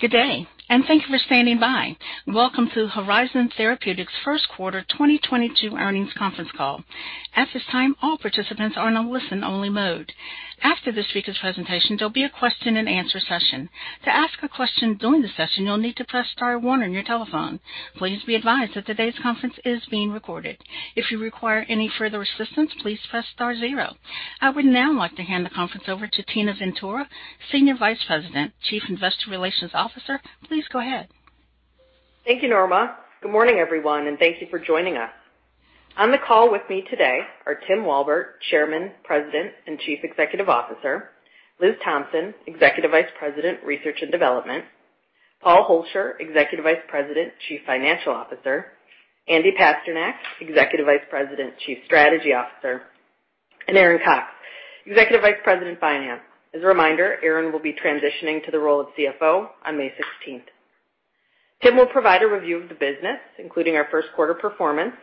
Good day, and thank you for standing by. Welcome to Horizon Therapeutics first quarter 2022 earnings conference call. At this time, all participants are in a listen-only mode. After this week's presentation, there'll be a question-and-answer session. To ask a question during the session, you'll need to press star one on your telephone. Please be advised that today's conference is being recorded. If you require any further assistance, please press star zero. I would now like to hand the conference over to Tina Ventura, Senior Vice President, Chief Investor Relations Officer. Please go ahead. Thank you Norma. Good morning everyone, and thank you for joining us. On the call with me today are Tim Walbert, Chairman, President, and Chief Executive Officer, Liz Thompson, Executive Vice President, Research and Development, Paul Hoelscher, Executive Vice President, Chief Financial Officer, Andy Pasternak, Executive Vice President, Chief Strategy Officer, and Aaron Cox, Executive Vice President, Finance. As a reminder, Aaron will be transitioning to the role of CFO on May 16th. Tim will provide a review of the business, including our first quarter performance.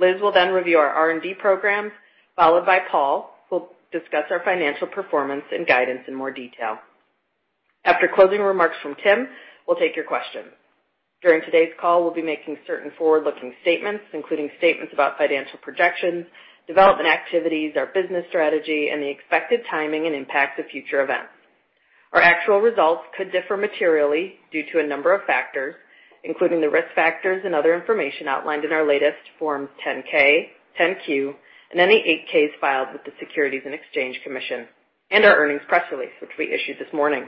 Liz will then review our R&D programs, followed by Paul, who will discuss our financial performance and guidance in more detail. After closing remarks from Tim, we'll take your questions. During today's call, we'll be making certain forward-looking statements, including statements about financial projections, development activities, our business strategy, and the expected timing and impact of future events. Our actual results could differ materially due to a number of factors, including the risk factors and other information outlined in our latest Forms 10-K, 10-Q, and any 8-Ks filed with the Securities and Exchange Commission, and our earnings press release, which we issued this morning.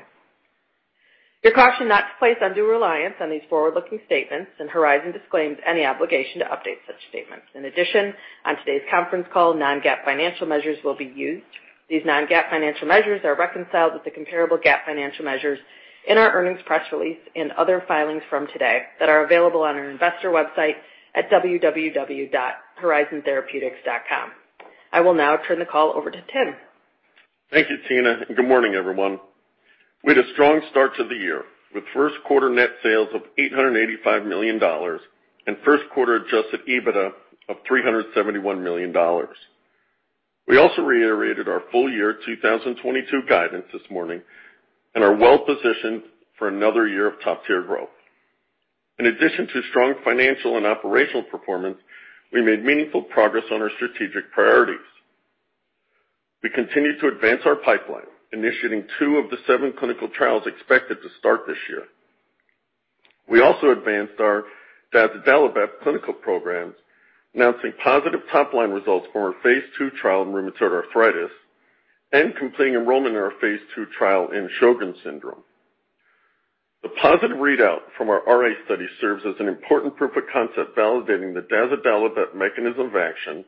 You're cautioned not to place undue reliance on these forward-looking statements, and Horizon disclaims any obligation to update such statements. In addition, on today's conference call, non-GAAP financial measures will be used. These non-GAAP financial measures are reconciled with the comparable GAAP financial measures in our earnings press release and other filings from today that are available on our investor website at www.horizontherapeutics.com. I will now turn the call over to Tim. Thank you Tina, and good morning, everyone. We had a strong start to the year, with first quarter net sales of $885 million and first quarter adjusted EBITDA of $371 million. We also reiterated our full year 2022 guidance this morning and are well-positioned for another year of top-tier growth. In addition to strong financial and operational performance, we made meaningful progress on our strategic priorities. We continued to advance our pipeline, initiating two of the seven clinical trials expected to start this year. We also advanced our dazodalibep clinical programs, announcing positive top-line results from our phase II trial in rheumatoid arthritis and completing enrollment in our phase II trial in Sjögren's syndrome. The positive readout from our RA study serves as an important proof of concept validating the dazodalibep mechanism of action,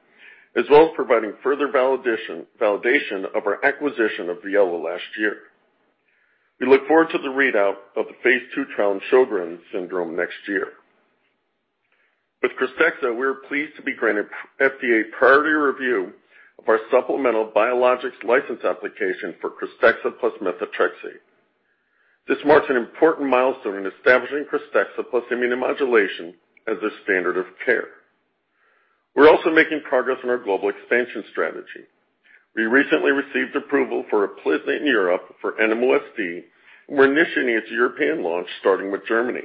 as well as providing further validation of our acquisition of Viela last year. We look forward to the readout of the phase II trial in Sjögren's syndrome next year. With KRYSTEXXA, we are pleased to be granted FDA priority review of our supplemental biologics license application for KRYSTEXXA plus methotrexate. This marks an important milestone in establishing KRYSTEXXA plus immunomodulation as the standard of care. We're also making progress on our global expansion strategy. We recently received approval for UPLIZNA in Europe for NMOSD, and we're initiating its European launch, starting with Germany.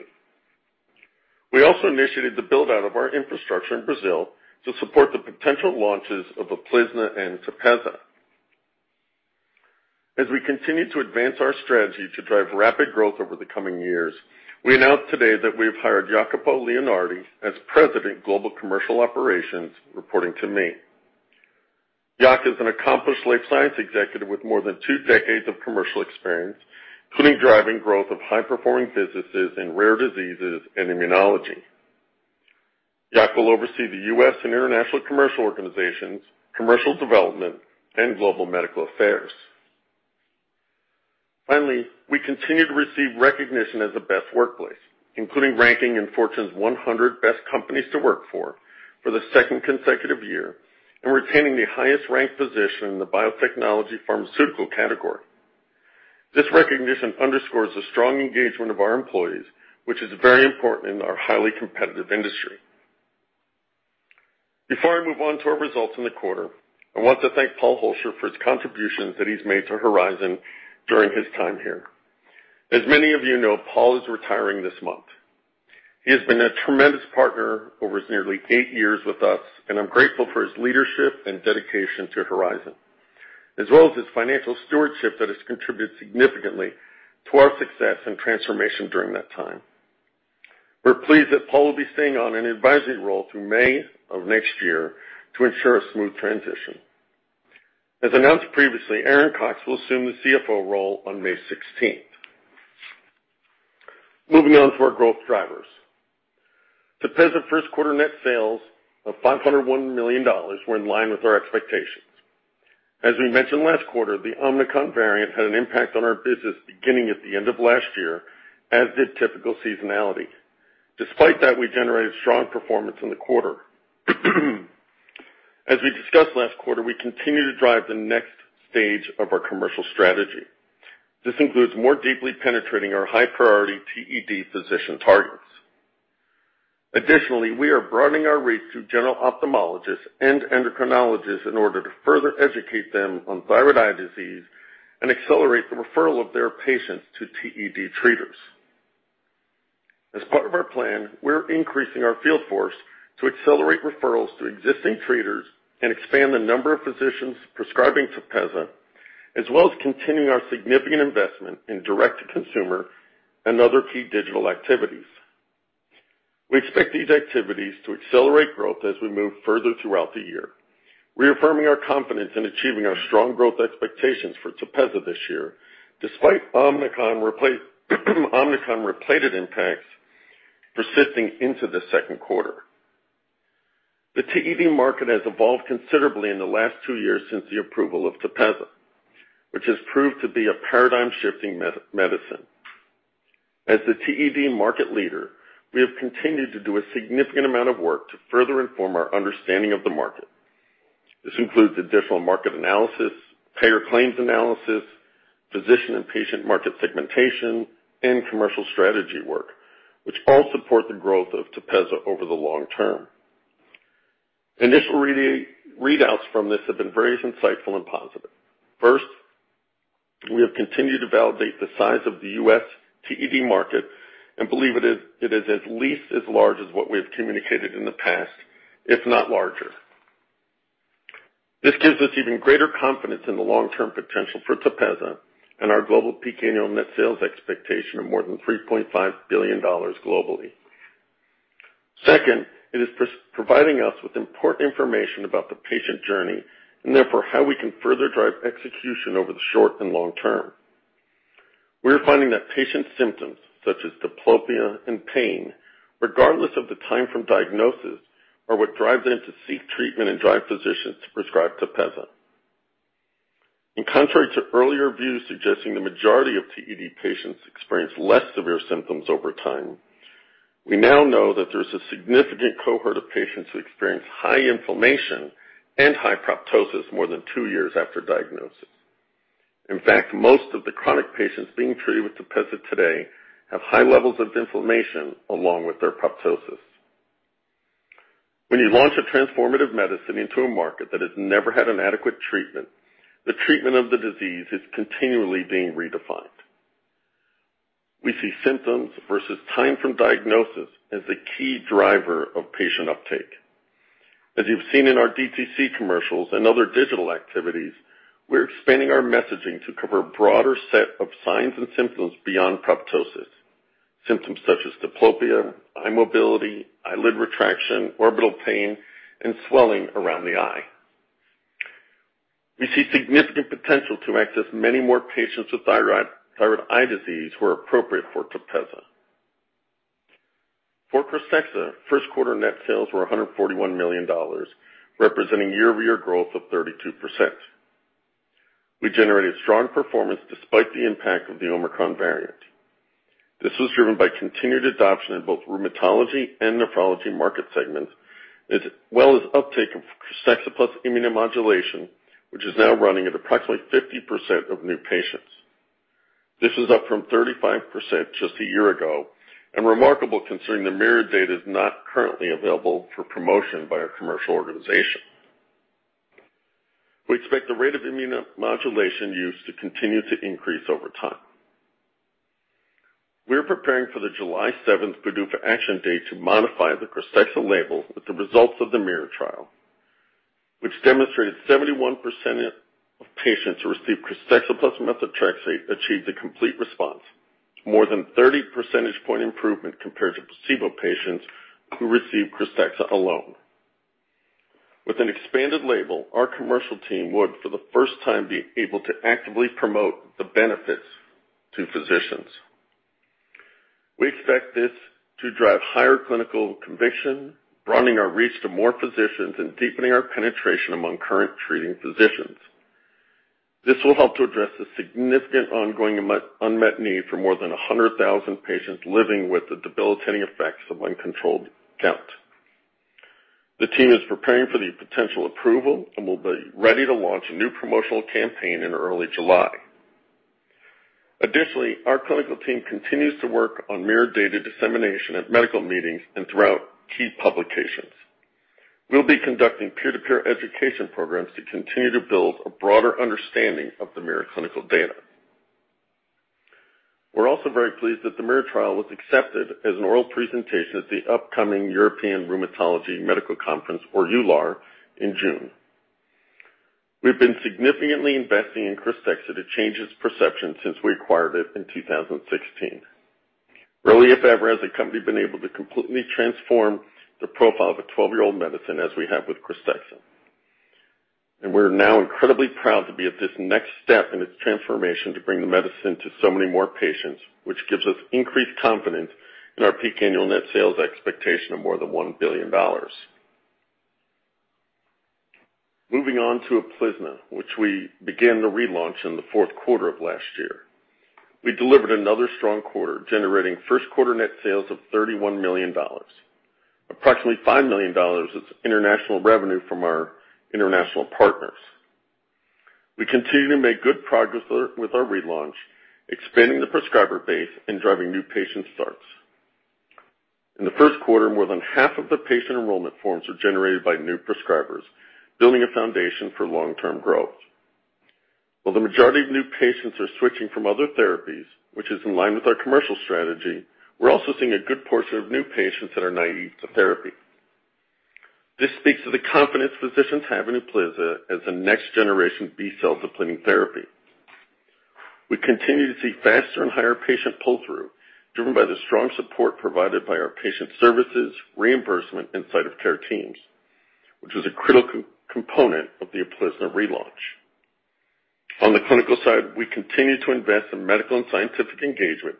We also initiated the build-out of our infrastructure in Brazil to support the potential launches of UPLIZNA and TEPEZZA. As we continue to advance our strategy to drive rapid growth over the coming years, we announced today that we have hired Jacopo Leonardi as President, Global Commercial Operations, reporting to me. Jac is an accomplished life science executive with more than two decades of commercial experience, including driving growth of high-performing businesses in rare diseases and immunology. Jac will oversee the U.S. and international commercial organizations, commercial development, and global medical affairs. Finally, we continue to receive recognition as a best workplace, including ranking in Fortune's 100 Best Companies to Work For for the second consecutive year and retaining the highest-ranked position in the biotechnology/pharmaceutical category. This recognition underscores the strong engagement of our employees, which is very important in our highly competitive industry. Before I move on to our results in the quarter, I want to thank Paul Hoelscher for his contributions that he's made to Horizon during his time here. As many of you know, Paul is retiring this month. He has been a tremendous partner over his nearly eight years with us, and I'm grateful for his leadership and dedication to Horizon, as well as his financial stewardship that has contributed significantly to our success and transformation during that time. We're pleased that Paul will be staying on in an advisory role through May of next year to ensure a smooth transition. As announced previously, Aaron Cox will assume the CFO role on May 16. Moving on to our growth drivers. TEPEZZA first quarter net sales of $501 million were in line with our expectations. As we mentioned last quarter, the Omicron variant had an impact on our business beginning at the end of last year, as did typical seasonality. Despite that, we generated strong performance in the quarter. As we discussed last quarter, we continue to drive the next stage of our commercial strategy. This includes more deeply penetrating our high-priority TED physician target. Additionally, we are broadening our reach to general ophthalmologists and endocrinologists in order to further educate them on Thyroid Eye Disease and accelerate the referral of their patients to TED treaters. As part of our plan, we're increasing our field force to accelerate referrals to existing treaters and expand the number of physicians prescribing TEPEZZA, as well as continuing our significant investment in direct-to-consumer and other key digital activities. We expect these activities to accelerate growth as we move further throughout the year, reaffirming our confidence in achieving our strong growth expectations for TEPEZZA this year, despite Omicron-related impacts persisting into the second quarter. The TED market has evolved considerably in the last two years since the approval of TEPEZZA, which has proved to be a paradigm-shifting medicine. As the TED market leader, we have continued to do a significant amount of work to further inform our understanding of the market. This includes additional market analysis, payer claims analysis, physician and patient market segmentation, and commercial strategy work, which all support the growth of TEPEZZA over the long term. Initial readouts from this have been very insightful and positive. First, we have continued to validate the size of the U.S. TED market and believe it is at least as large as what we have communicated in the past, if not larger. This gives us even greater confidence in the long-term potential for TEPEZZA and our global peak annual net sales expectation of more than $3.5 billion globally. Second, it is providing us with important information about the patient journey, and therefore how we can further drive execution over the short and long term. We are finding that patient symptoms such as diplopia and pain, regardless of the time from diagnosis, are what drive them to seek treatment and drive physicians to prescribe TEPEZZA. Contrary to earlier views suggesting the majority of TED patients experience less severe symptoms over time, we now know that there's a significant cohort of patients who experience high inflammation and high proptosis more than two years after diagnosis. In fact, most of the chronic patients being treated with TEPEZZA today have high levels of inflammation along with their proptosis. When you launch a transformative medicine into a market that has never had an adequate treatment, the treatment of the disease is continually being redefined. We see symptoms versus time from diagnosis as the key driver of patient uptake. As you've seen in our DTC commercials and other digital activities, we're expanding our messaging to cover a broader set of signs and symptoms beyond proptosis. Symptoms such as diplopia, eye mobility, eyelid retraction, orbital pain, and swelling around the eye. We see significant potential to access many more patients with thyroid eye disease who are appropriate for TEPEZZA. For KRYSTEXXA, first quarter net sales were $141 million, representing year-over-year growth of 32%. We generated strong performance despite the impact of the Omicron variant. This was driven by continued adoption in both rheumatology and nephrology market segments, as well as uptake of KRYSTEXXA plus immunomodulation, which is now running at approximately 50% of new patients. This is up from 35% just a year ago, and remarkable considering the MIRROR data is not currently available for promotion by our commercial organization. We expect the rate of immunomodulation use to continue to increase over time. We are preparing for the July seventh PDUFA action date to modify the KRYSTEXXA label with the results of the MIRROR trial, which demonstrated 71% of patients who received KRYSTEXXA plus methotrexate achieved a complete response, more than 30 percentage point improvement compared to placebo patients who received KRYSTEXXA alone. With an expanded label, our commercial team would, for the first time, be able to actively promote the benefits to physicians. We expect this to drive higher clinical conviction, broadening our reach to more physicians and deepening our penetration among current treating physicians. This will help to address the significant ongoing and unmet need for more than 100,000 patients living with the debilitating effects of uncontrolled gout. The team is preparing for the potential approval and will be ready to launch a new promotional campaign in early July. Additionally, our clinical team continues to work on MIRROR data dissemination at medical meetings and throughout key publications. We'll be conducting peer-to-peer education programs to continue to build a broader understanding of the MIRROR clinical data. We're also very pleased that the MIRROR trial was accepted as an oral presentation at the upcoming European Rheumatology Medical Conference, or EULAR, in June. We've been significantly investing in KRYSTEXXA to change its perception since we acquired it in 2016. Rarely, if ever, has a company been able to completely transform the profile of a 12-year-old medicine as we have with KRYSTEXXA. We're now incredibly proud to be at this next step in its transformation to bring the medicine to so many more patients, which gives us increased confidence in our peak annual net sales expectation of more than $1 billion. Moving on to UPLIZNA, which we began to relaunch in the fourth quarter of last year. We delivered another strong quarter, generating first quarter net sales of $31 million. Approximately $5 million is international revenue from our international partners. We continue to make good progress with our relaunch, expanding the prescriber base and driving new patient starts. In the first quarter, more than half of the patient enrollment forms were generated by new prescribers, building a foundation for long-term growth. While the majority of new patients are switching from other therapies, which is in line with our commercial strategy, we're also seeing a good portion of new patients that are naive to therapy. This speaks to the confidence physicians have in UPLIZNA as a next-generation B-cell depleting therapy. We continue to see faster and higher patient pull-through, driven by the strong support provided by our patient services, reimbursement inside of care teams, which is a critical component of the UPLIZNA relaunch. On the clinical side, we continue to invest in medical and scientific engagement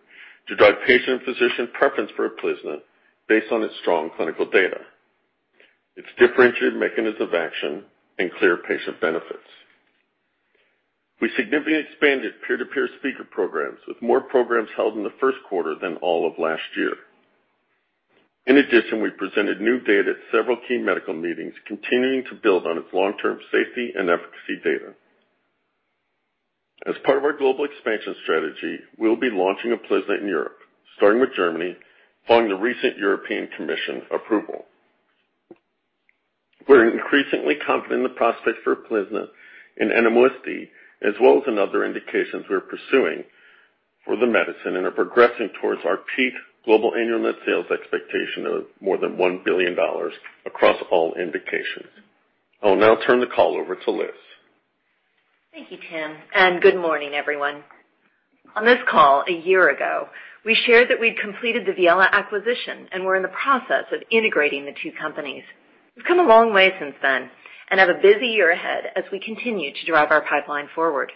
to drive patient and physician preference for UPLIZNA based on its strong clinical data, its differentiated mechanism of action, and clear patient benefits. We significantly expanded peer-to-peer speaker programs, with more programs held in the first quarter than all of last year. In addition, we presented new data at several key medical meetings, continuing to build on its long-term safety and efficacy data. As part of our global expansion strategy, we'll be launching UPLIZNA in Europe, starting with Germany, following the recent European Commission approval. We're increasingly confident in the prospects for UPLIZNA in NMOSD, as well as in other indications we are pursuing for the medicine, and are progressing towards our peak global annual net sales expectation of more than $1 billion across all indications. I will now turn the call over to Liz. Thank you, Tim, and good morning, everyone. On this call a year ago, we shared that we'd completed the Viela acquisition and were in the process of integrating the two companies. We've come a long way since then and have a busy year ahead as we continue to drive our pipeline forward.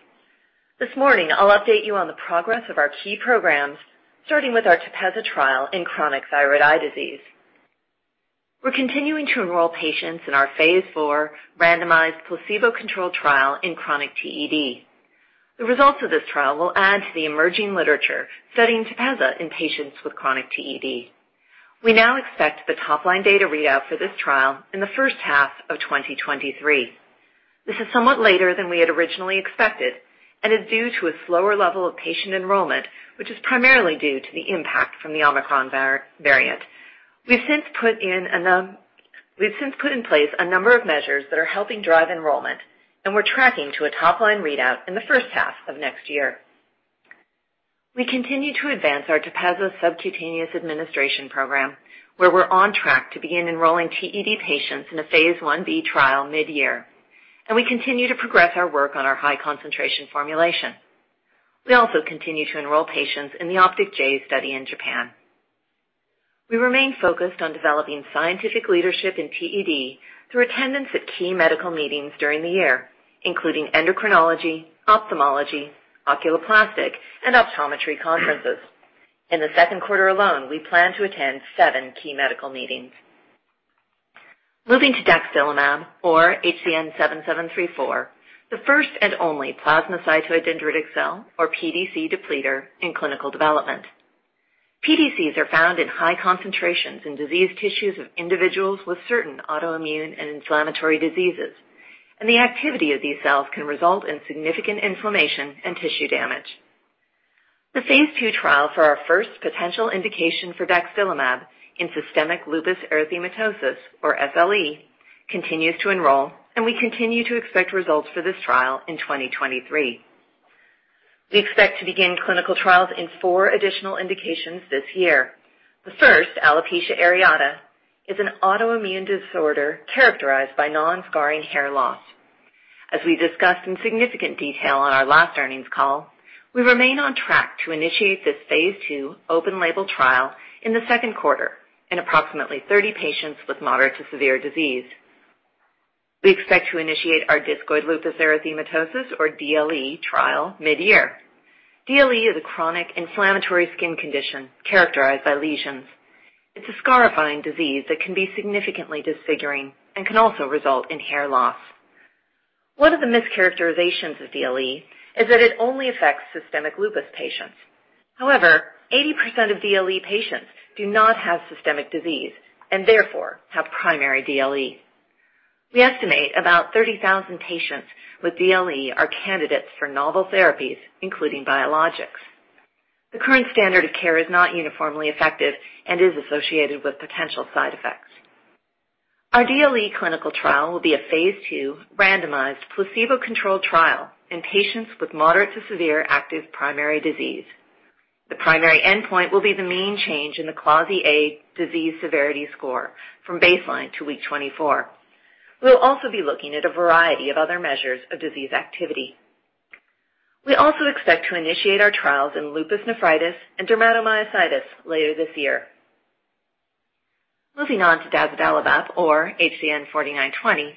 This morning, I'll update you on the progress of our key programs, starting with our TEPEZZA trial in chronic Thyroid Eye Disease. We're continuing to enroll patients in our phase IV randomized placebo-controlled trial in chronic TED. The results of this trial will add to the emerging literature studying TEPEZZA in patients with chronic TED. We now expect the top-line data readout for this trial in the first half of 2023. This is somewhat later than we had originally expected and is due to a slower level of patient enrollment, which is primarily due to the impact from the Omicron variant. We've since put in place a number of measures that are helping drive enrollment, and we're tracking to a top-line readout in the first half of next year. We continue to advance our TEPEZZA subcutaneous administration program, where we're on track to begin enrolling TED patients in a phase Ib trial mid-year, and we continue to progress our work on our high-concentration formulation. We also continue to enroll patients in the OPTIC-J study in Japan. We remain focused on developing scientific leadership in TED through attendance at key medical meetings during the year, including endocrinology, ophthalmology, oculoplastic, and optometry conferences. In the second quarter alone, we plan to attend seven key medical meetings. Moving to daxdilimab, or HZN-7734, the first and only plasmacytoid dendritic cell, or PDC, depleter in clinical development. PDCs are found in high concentrations in disease tissues of individuals with certain autoimmune and inflammatory diseases, and the activity of these cells can result in significant inflammation and tissue damage. The phase II trial for our first potential indication for daxdilimab in systemic lupus erythematosus, or SLE, continues to enroll, and we continue to expect results for this trial in 2023. We expect to begin clinical trials in four additional indications this year. The first, alopecia areata, is an autoimmune disorder characterized by non-scarring hair loss. As we discussed in significant detail on our last earnings call, we remain on track to initiate this phase II open label trial in the second quarter in approximately 30 patients with moderate to severe disease. We expect to initiate our discoid lupus erythematosus, or DLE trial, mid-year. DLE is a chronic inflammatory skin condition characterized by lesions. It's a scarring disease that can be significantly disfiguring and can also result in hair loss. One of the mischaracterizations of DLE is that it only affects systemic lupus patients. However, 80% of DLE patients do not have systemic disease and therefore have primary DLE. We estimate about 30,000 patients with DLE are candidates for novel therapies, including biologics. The current standard of care is not uniformly effective and is associated with potential side effects. Our DLE clinical trial will be a phase II randomized placebo-controlled trial in patients with moderate to severe active primary disease. The primary endpoint will be the mean change in the CLASI-A disease severity score from baseline to week 24. We will also be looking at a variety of other measures of disease activity. We also expect to initiate our trials in lupus nephritis and dermatomyositis later this year. Moving on to dazodalibep, or HZN-4920.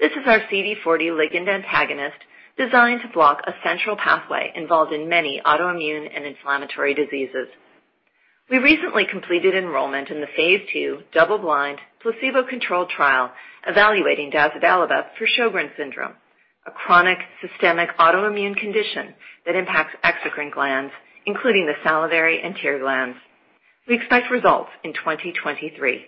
This is our CD40 ligand antagonist designed to block a central pathway involved in many autoimmune and inflammatory diseases. We recently completed enrollment in the phase II double-blind, placebo-controlled trial evaluating dazodalibep for Sjögren's syndrome, a chronic systemic autoimmune condition that impacts exocrine glands, including the salivary and tear glands. We expect results in 2023.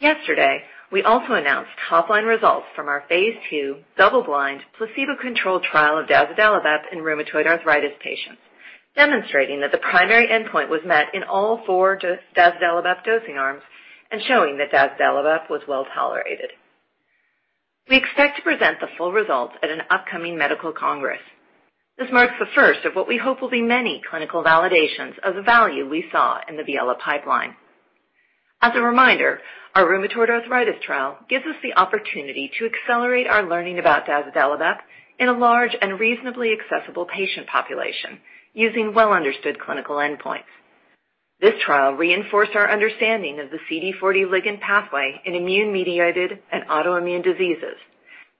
Yesterday, we also announced top-line results from our phase II double-blind placebo-controlled trial of dazodalibep in rheumatoid arthritis patients, demonstrating that the primary endpoint was met in all four dazodalibep dosing arms and showing that dazodalibep was well-tolerated. We expect to present the full results at an upcoming medical congress. This marks the first of what we hope will be many clinical validations of the value we saw in the Viela pipeline. As a reminder, our rheumatoid arthritis trial gives us the opportunity to accelerate our learning about daxdilimab in a large and reasonably accessible patient population using well-understood clinical endpoints. This trial reinforced our understanding of the CD40 ligand pathway in immune-mediated and autoimmune diseases,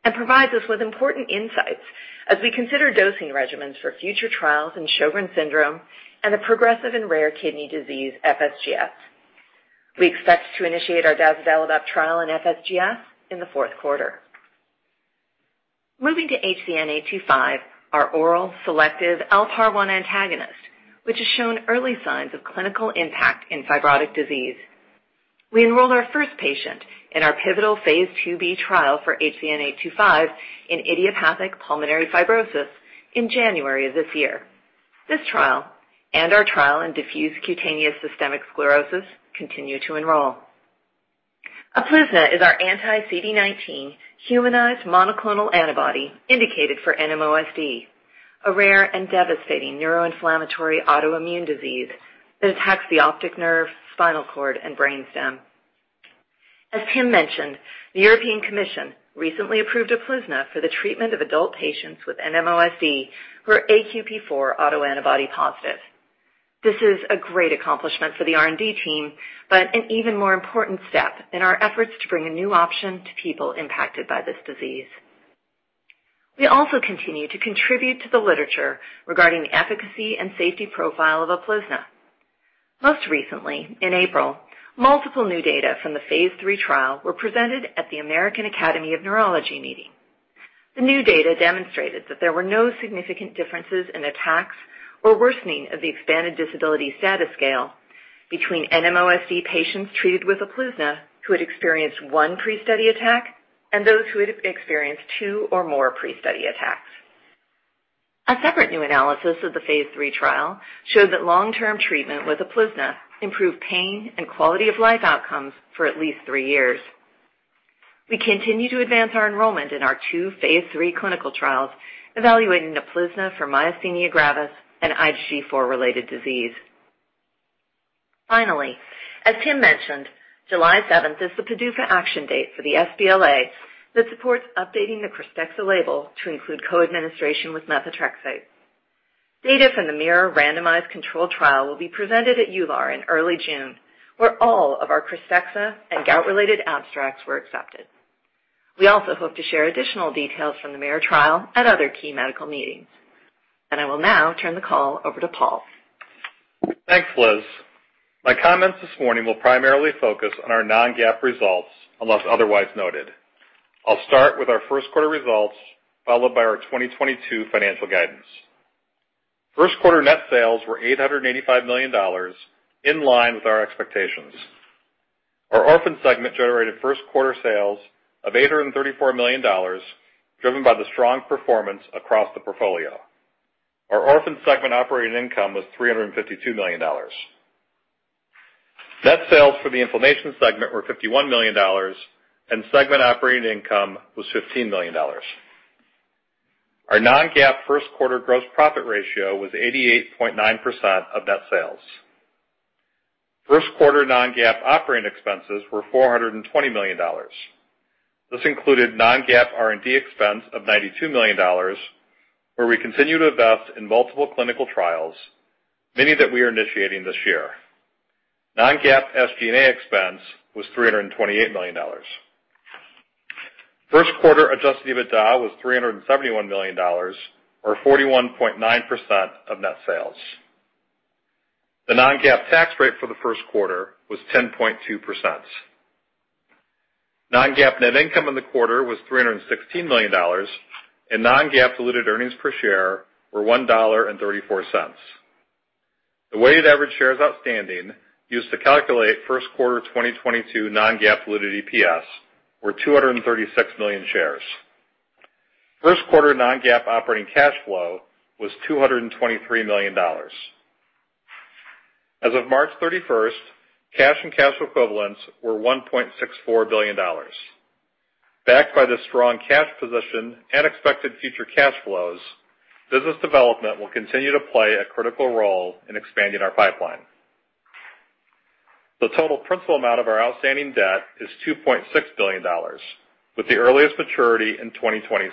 and provides us with important insights as we consider dosing regimens for future trials in Sjögren's syndrome and the progressive and rare kidney disease FSGS. We expect to initiate our daxdilimab trial in FSGS in the fourth quarter. Moving to HZN-825, our oral selective LPAR1 antagonist, which has shown early signs of clinical impact in fibrotic disease. We enrolled our first patient in our pivotal phase IIb trial for HZN-825 in idiopathic pulmonary fibrosis in January of this year. This trial and our trial in diffuse cutaneous systemic sclerosis continue to enroll. UPLIZNA is our anti-CD19 humanized monoclonal antibody indicated for NMOSD, a rare and devastating neuroinflammatory autoimmune disease that attacks the optic nerve, spinal cord, and brain stem. As Tim mentioned, the European Commission recently approved UPLIZNA for the treatment of adult patients with NMOSD who are AQP4 autoantibody positive. This is a great accomplishment for the R&D team, but an even more important step in our efforts to bring a new option to people impacted by this disease. We also continue to contribute to the literature regarding the efficacy and safety profile of UPLIZNA. Most recently, in April, multiple new data from the phase III trial were presented at the American Academy of Neurology meeting. The new data demonstrated that there were no significant differences in attacks or worsening of the expanded disability status scale between NMOSD patients treated with UPLIZNA who had experienced one pre-study attack and those who had experienced two or more pre-study attacks. A separate new analysis of the phase III trial showed that long-term treatment with UPLIZNA improved pain and quality of life outcomes for at least three years. We continue to advance our enrollment in our two phase III clinical trials evaluating UPLIZNA for myasthenia gravis and IgG4-related disease. Finally, as Tim mentioned, July seventh is the PDUFA action date for the sBLA that supports updating the KRYSTEXXA label to include co-administration with methotrexate. Data from the MIRROR randomized control trial will be presented at EULAR in early June, where all of our KRYSTEXXA and gout-related abstracts were accepted. We also hope to share additional details from the MIRROR trial at other key medical meetings. I will now turn the call over to Paul. Thanks, Liz. My comments this morning will primarily focus on our non-GAAP results, unless otherwise noted. I'll start with our first quarter results, followed by our 2022 financial guidance. First quarter net sales were $885 million, in line with our expectations. Our orphan segment generated first quarter sales of $834 million, driven by the strong performance across the portfolio. Our orphan segment operating income was $352 million. Net sales for the inflammation segment were $51 million, and segment operating income was $15 million. Our non-GAAP first quarter gross profit ratio was 88.9% of net sales. First quarter non-GAAP operating expenses were $420 million. This included non-GAAP R&D expense of $92 million, where we continue to invest in multiple clinical trials, many that we are initiating this year. Non-GAAP SG&A expense was $328 million. First quarter adjusted EBITDA was $371 million or 41.9% of net sales. The non-GAAP tax rate for the first quarter was 10.2%. Non-GAAP net income in the quarter was $316 million, and non-GAAP diluted earnings per share were $1.34. The weighted average shares outstanding used to calculate first quarter 2022 non-GAAP diluted EPS were 236 million shares. First quarter non-GAAP operating cash flow was $223 million. As of March 31, cash and cash equivalents were $1.64 billion. Backed by the strong cash position and expected future cash flows, business development will continue to play a critical role in expanding our pipeline. The total principal amount of our outstanding debt is $2.6 billion, with the earliest maturity in 2026.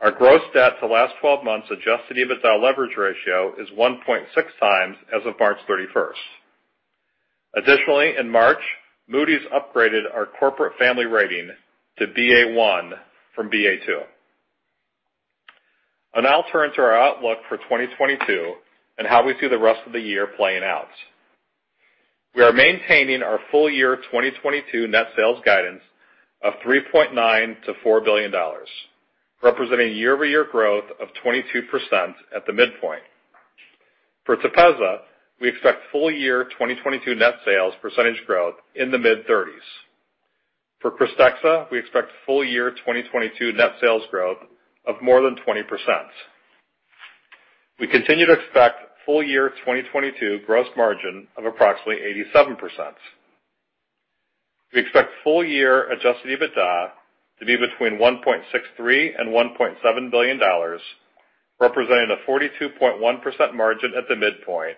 Our gross debt to last twelve months adjusted EBITDA leverage ratio is 1.6x as of March 31. Additionally, in March, Moody's upgraded our corporate family rating to Ba1 from Ba2. I'll turn to our outlook for 2022 and how we see the rest of the year playing out. We are maintaining our full year 2022 net sales guidance of $3.9 billion-$4 billion, representing a year-over-year growth of 22% at the midpoint. For TEPEZZA, we expect full year 2022 net sales growth in the mid-30s. For KRYSTEXXA, we expect full year 2022 net sales growth of more than 20%. We continue to expect full year 2022 gross margin of approximately 87%. We expect full year adjusted EBITDA to be between $1.63 billion-$1.7 billion, representing a 42.1% margin at the midpoint,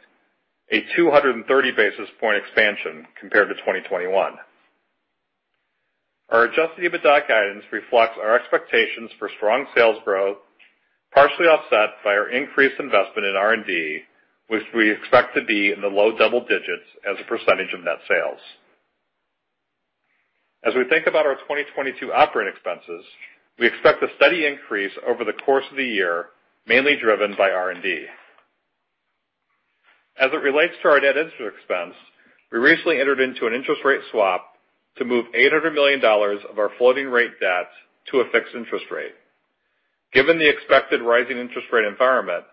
a 230 basis point expansion compared to 2021. Our adjusted EBITDA guidance reflects our expectations for strong sales growth, partially offset by our increased investment in R&D, which we expect to be in the low double digits as a percentage of net sales. We think about our 2022 operating expenses, we expect a steady increase over the course of the year, mainly driven by R&D. It relates to our net interest expense, we recently entered into an interest rate swap to move $800 million of our floating rate debt to a fixed interest rate. Given the expected rising interest rate environment,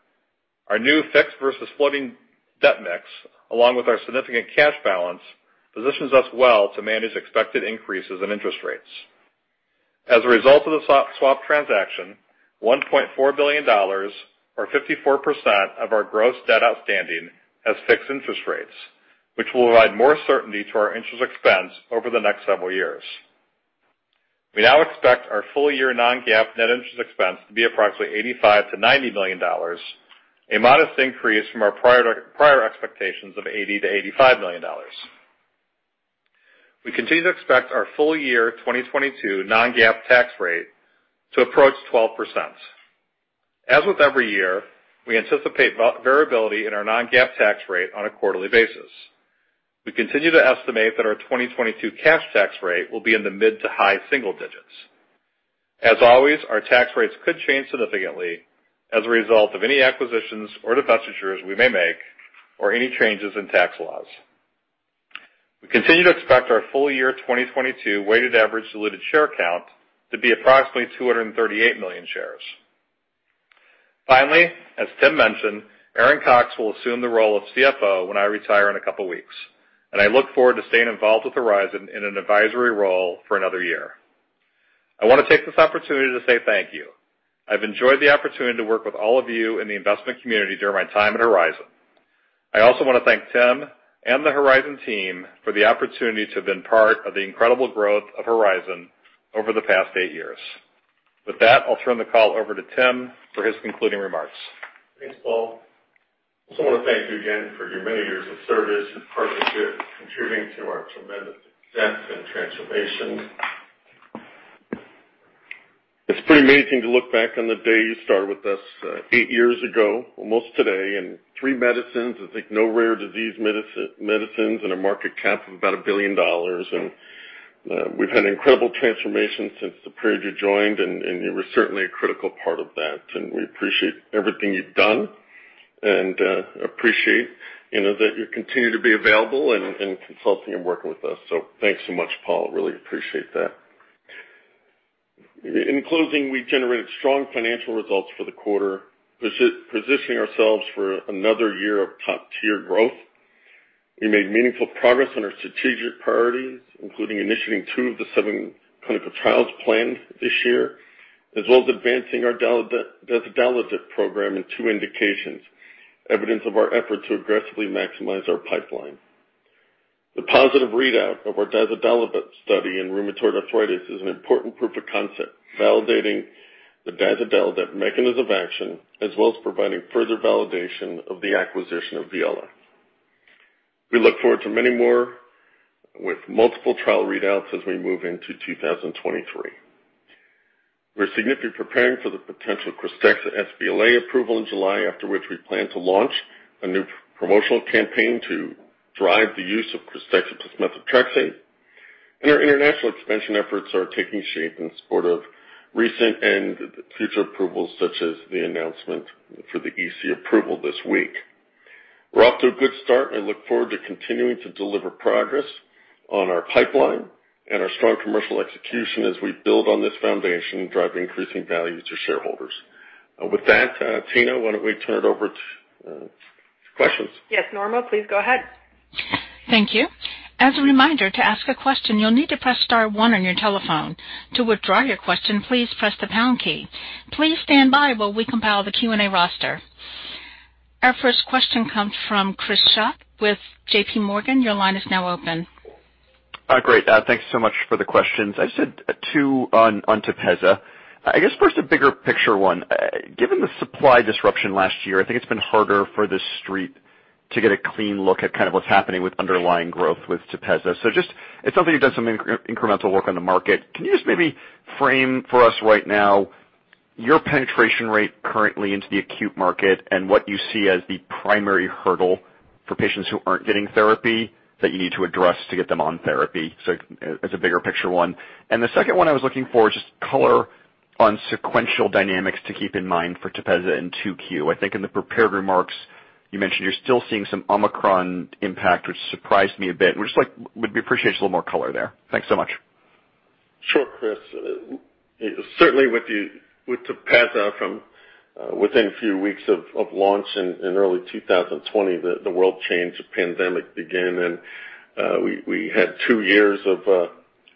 our new fixed versus floating debt mix, along with our significant cash balance, positions us well to manage expected increases in interest rates. As a result of the swap transaction, $1.4 billion or 54% of our gross debt outstanding has fixed interest rates, which will provide more certainty to our interest expense over the next several years. We now expect our full year non-GAAP net interest expense to be approximately $85 million-$90 million, a modest increase from our prior expectations of $80 million-$85 million. We continue to expect our full year 2022 non-GAAP tax rate to approach 12%. As with every year, we anticipate variability in our non-GAAP tax rate on a quarterly basis. We continue to estimate that our 2022 cash tax rate will be in the mid to high single digits. As always, our tax rates could change significantly as a result of any acquisitions or divestitures we may make or any changes in tax laws. We continue to expect our full year 2022 weighted average diluted share count to be approximately 238 million shares. Finally, as Tim mentioned, Aaron Cox will assume the role of CFO when I retire in a couple weeks, and I look forward to staying involved with Horizon in an advisory role for another year. I wanna take this opportunity to say thank you. I've enjoyed the opportunity to work with all of you in the investment community during my time at Horizon. I also wanna thank Tim and the Horizon team for the opportunity to have been part of the incredible growth of Horizon over the past eight years. With that, I'll turn the call over to Tim for his concluding remarks. Thanks Paul. I just wanna thank you again for your many years of service and partnership contributing to our tremendous success and transformation. It's pretty amazing to look back on the day you started with us, eight years ago, almost today, and three medicines. I think no rare disease medicines and a market cap of about $1 billion. We've had an incredible transformation since the period you joined, and you were certainly a critical part of that. We appreciate everything you've done and appreciate, you know, that you continue to be available and consulting and working with us. So thanks so much Paul. Really appreciate that. In closing, we generated strong financial results for the quarter, positioning ourselves for another year of top-tier growth. We made meaningful progress on our strategic priorities, including initiating two of the seven clinical trials planned this year, as well as advancing our dazodalibep program in two indications, evidence of our effort to aggressively maximize our pipeline. The positive readout of our dazodalibep study in rheumatoid arthritis is an important proof of concept, validating the dazodalibep mechanism of action, as well as providing further validation of the acquisition of Viela. We look forward to many more with multiple trial readouts as we move into 2023. We're strategically preparing for the potential KRYSTEXXA sBLA approval in July, after which we plan to launch a new promotional campaign to drive the use of KRYSTEXXA plus methotrexate. Our international expansion efforts are taking shape in support of recent and future approvals, such as the announcement for the EC approval this week. We're off to a good start and look forward to continuing to deliver progress on our pipeline and our strong commercial execution as we build on this foundation and drive increasing value to shareholders. With that, Tina why don't we turn it over to questions? Yes Norma, please go ahead. Thank you. As a reminder, to ask a question, you'll need to press star one on your telephone. To withdraw your question, please press the pound key. Please stand by while we compile the Q&A roster. Our first question comes from Chris Shaw with JP Morgan. Your line is now open. Great. Thank you so much for the questions. I just had two on TEPEZZA. I guess first, a bigger picture one. Given the supply disruption last year, I think it's been harder for the Street to get a clean look at kind of what's happening with underlying growth with TEPEZZA. It's something you've done some incremental work on the market. Can you just maybe frame for us right now your penetration rate currently into the acute market and what you see as the primary hurdle for patients who aren't getting therapy that you need to address to get them on therapy? As a bigger picture one. The second one I was looking for is just color on sequential dynamics to keep in mind for TEPEZZA in 2Q. I think in the prepared remarks you mentioned you're still seeing some Omicron impact, which surprised me a bit. We'd appreciate just a little more color there. Thanks so much. Sure Chris. Certainly with you, with TEPEZZA from within a few weeks of launch in early 2020, the world changed, the pandemic began, and we had two years of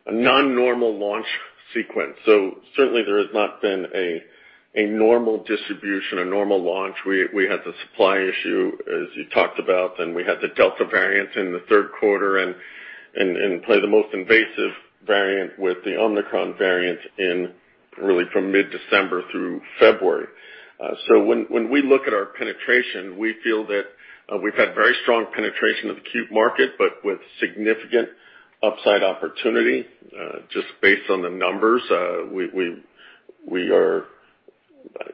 a non-normal launch sequence. Certainly there has not been a normal distribution, a normal launch. We had the supply issue, as you talked about, then we had the Delta variant in the third quarter and probably the most invasive variant with the Omicron variant really from mid-December through February. When we look at our penetration, we feel that we've had very strong penetration of the acute market, but with significant upside opportunity just based on the numbers. We are...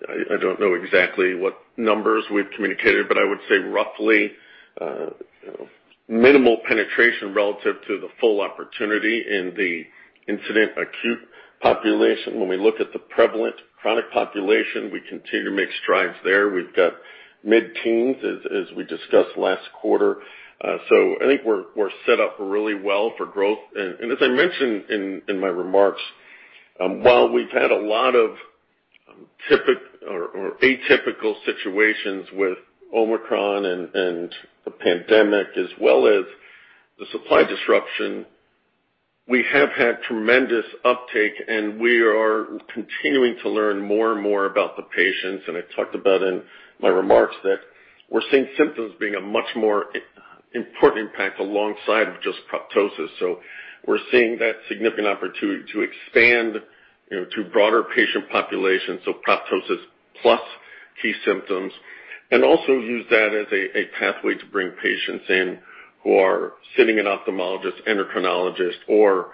I don't know exactly what numbers we've communicated, but I would say roughly minimal penetration relative to the full opportunity in the incident acute population. When we look at the prevalent chronic population, we continue to make strides there. We've got mid-teens as we discussed last quarter. So I think we're set up really well for growth. As I mentioned in my remarks, while we've had a lot of atypical situations with Omicron and the pandemic as well as the supply disruption, we have had tremendous uptake, and we are continuing to learn more and more about the patients. I talked about in my remarks that we're seeing symptoms being a much more important impact alongside of just proptosis. We're seeing that significant opportunity to expand, you know, to broader patient populations, so proptosis plus key symptoms, and also use that as a pathway to bring patients in who are sitting in ophthalmologists, endocrinologists or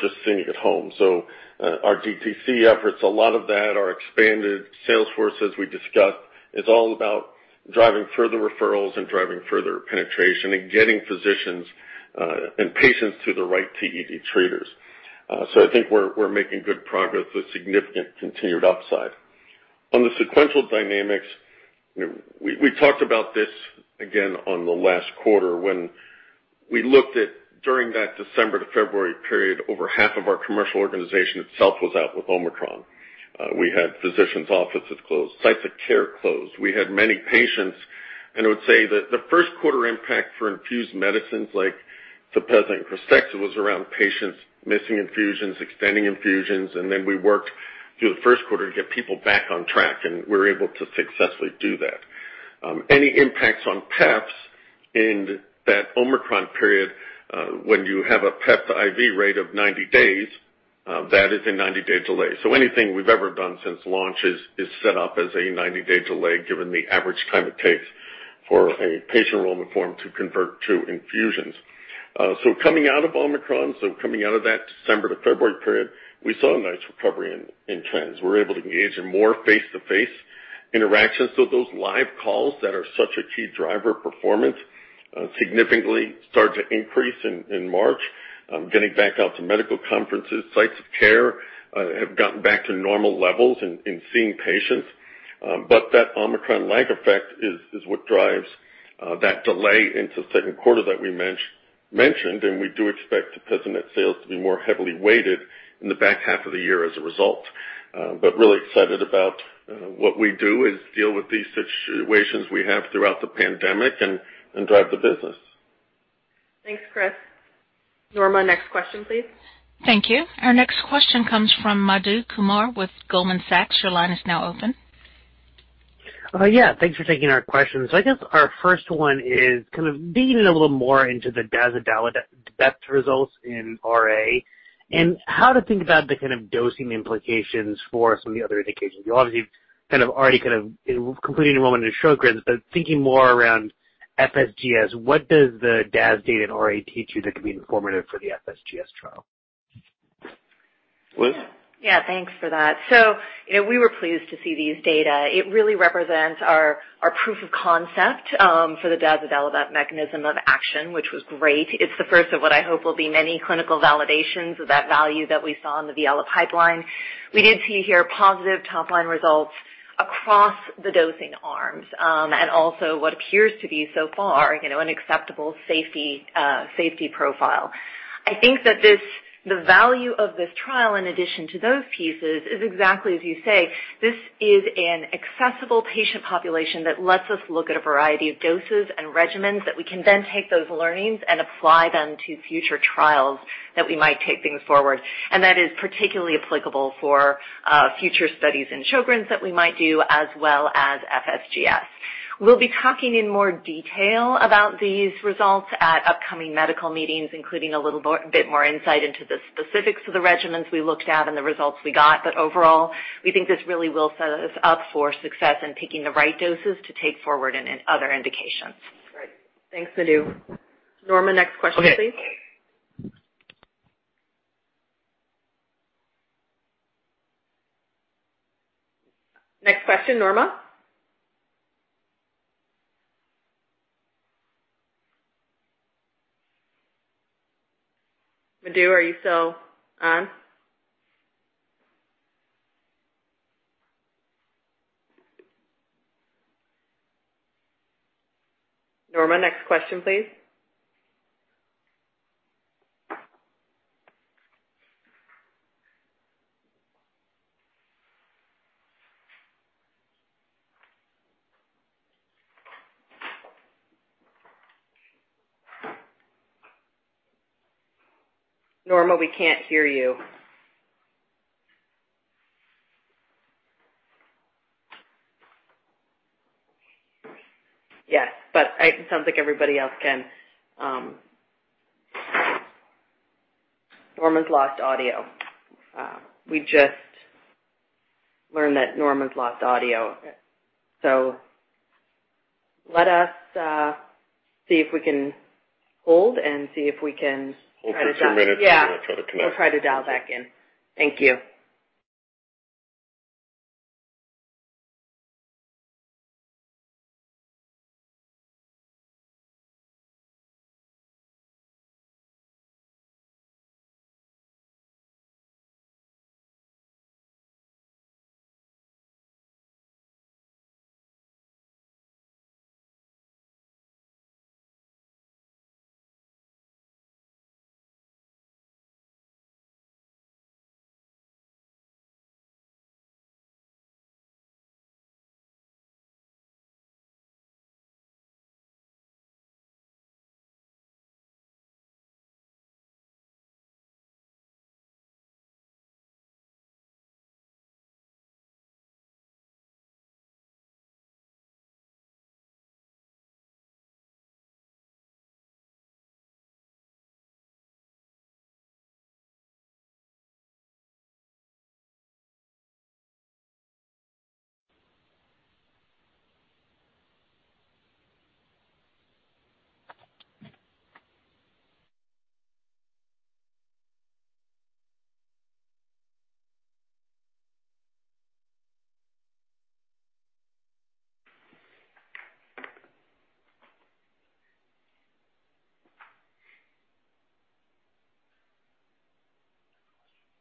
just sitting at home. Our DTC efforts, a lot of that, our expanded sales forces we discussed, is all about driving further referrals and driving further penetration and getting physicians and patients to the right TED treaters. I think we're making good progress with significant continued upside. On the sequential dynamics, you know, we talked about this again on the last quarter when we looked at during that December to February period, over half of our commercial organization itself was out with Omicron. We had physicians' offices closed, sites of care closed. We had many patients, and I would say that the first quarter impact for infused medicines like TEPEZZA and KRYSTEXXA was around patients missing infusions, extending infusions, and then we worked through the first quarter to get people back on track, and we were able to successfully do that. Any impacts on PEPs in that Omicron period, when you have a PEP to IV rate of 90 days, that is a 90-day delay. Anything we've ever done since launch is set up as a 90-day delay given the average time it takes for a patient enrollment form to convert to infusions. Coming out of Omicron that December to February period, we saw a nice recovery in trends. We were able to engage in more face-to-face interactions. Those live calls that are such a key driver of performance significantly started to increase in March. Getting back out to medical conferences, sites of care, have gotten back to normal levels in seeing patients. That Omicron lag effect is what drives that delay into second quarter that we mentioned, and we do expect TEPEZZA net sales to be more heavily weighted in the back half of the year as a result. Really excited about what we do is deal with these situations we have throughout the pandemic and drive the business. Thanks Chris. Norma, next question, please. Thank you. Our next question comes from Madhu Kumar with Goldman Sachs. Your line is now open. Yeah, thanks for taking our questions. I guess our first one is kind of digging a little more into the dazodalibep results in RA and how to think about the kind of dosing implications for some of the other indications. You obviously kind of already kind of completed a monotherapy in Sjögren's, but thinking more around FSGS, what does the DAS data in RA teach you that could be informative for the FSGS trial? Liz? Yeah. Yeah thanks for that. You know, we were pleased to see these data. It really represents our proof of concept for the daxdilimab mechanism of action, which was great. It's the first of what I hope will be many clinical validations of that value that we saw in the Viela pipeline. We did see here positive top-line results across the dosing arms, and also what appears to be so far, you know, an acceptable safety profile. I think that this, the value of this trial in addition to those pieces is exactly as you say. This is an accessible patient population that lets us look at a variety of doses and regimens that we can then take those learnings and apply them to future trials that we might take things forward. That is particularly applicable for future studies in Sjögren's that we might do as well as FSGS. We'll be talking in more detail about these results at upcoming medical meetings, including a bit more insight into the specifics of the regimens we looked at and the results we got. Overall, we think this really will set us up for success in picking the right doses to take forward in other indications. Great. Thanks Madhu. Norma, next question please. Okay. Next question Norma? Madhu, are you still on? Norma next question please. Norma, we can't hear you. Yes it sounds like everybody else can. Norma's lost audio. We just learned that Norma's lost audio. Let us see if we can hold and see if we can try to dial. Hold for two minutes. Yeah. I'll try to connect. We'll try to dial back in. Thank you.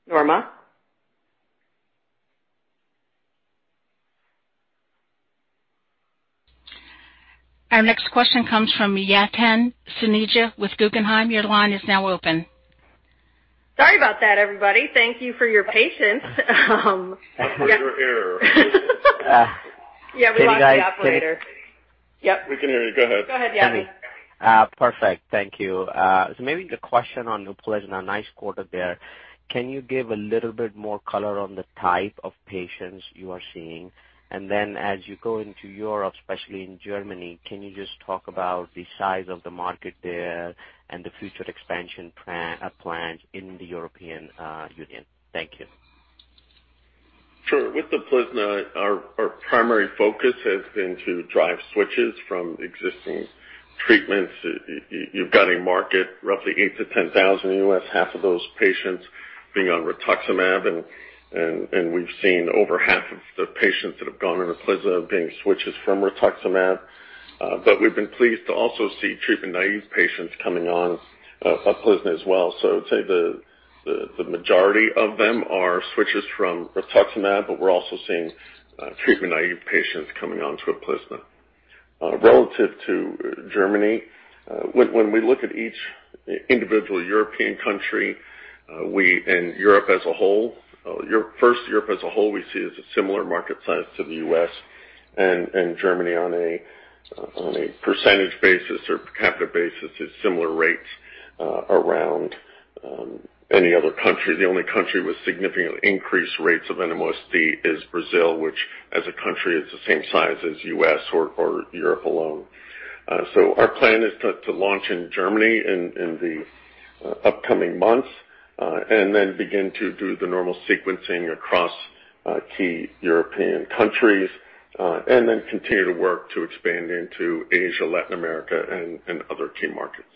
Norma? Our next question comes from Yatin Suneja with Guggenheim. Your line is now open. Sorry about that everybody. Thank you for your patience. We heard your error. Yeah we lost the operator. Can you guys? Yep. We can hear you. Go ahead. Go ahead Yatin. Okay perfect, thank you. Maybe the question on UPLIZNA, nice quarter there. Can you give a little bit more color on the type of patients you are seeing? And then as you go into Europe, especially in Germany, can you just talk about the size of the market there and the future expansion plan, plans in the European Union? Thank you. Sure. With UPLIZNA, our primary focus has been to drive switches from existing treatments. You've got a market roughly 8,000-10,000 U.S., half of those patients being on rituximab, and we've seen over half of the patients that have gone on UPLIZNA being switches from rituximab. We've been pleased to also see treatment-naive patients coming on UPLIZNA as well. I'd say the majority of them are switches from rituximab, but we're also seeing treatment-naive patients coming onto UPLIZNA. Relative to Germany, when we look at each individual European country, and Europe as a whole, we see a similar market size to the U.S. Germany on a percentage basis or per capita basis has similar rates as any other country. The only country with significantly increased rates of NMOSD is Brazil, which as a country is the same size as U.S. or Europe alone. Our plan is to launch in Germany in the upcoming months and then begin to do the normal sequencing across key European countries and then continue to work to expand into Asia, Latin America and other key markets.